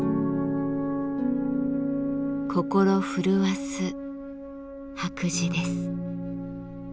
心震わす白磁です。